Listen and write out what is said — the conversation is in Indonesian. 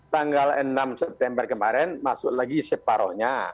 tanggal enam september kemarin masuk lagi separohnya